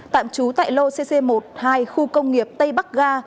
tạm trú tại lô cc một hai khu công nghiệp tây bắc ga